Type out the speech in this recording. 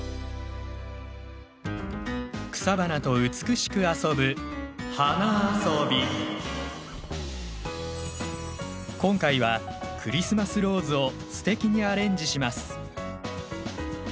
草花と美しく遊ぶ今回はクリスマスローズをすてきにアレンジします。